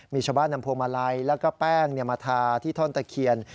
มีชาวบ้านนำพวงมาลัยแล้วก็แป้งมาทาที่ท่อนตะเคียน